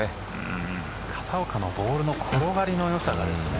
片岡のボールの転がりのよさですよね。